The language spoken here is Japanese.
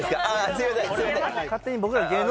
すいません